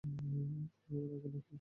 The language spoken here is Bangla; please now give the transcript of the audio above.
তুমি আগে নাকি আমি?